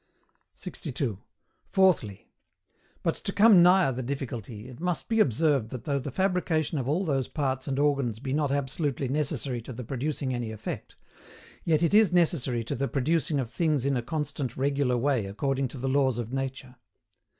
62. (FOURTHLY.) But, to come nigher the difficulty, it must be observed that though the fabrication of all those parts and organs be not absolutely necessary to the producing any effect, yet it is necessary to the producing of things in a constant regular way according to the laws of nature.